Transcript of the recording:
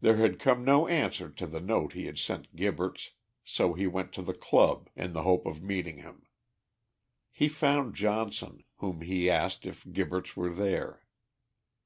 There had come no answer to the note he had sent Gibberts, so he went to the Club, in the hope of meeting him. He found Johnson, whom he asked if Gibberts were there.